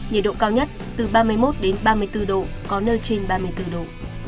nhiệt độ cao nhất từ ba mươi một ba mươi bốn độ có nơi trên ba mươi bốn độ